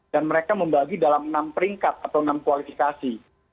dan mereka membagi dalam enam peringkat atau enam kualifikasi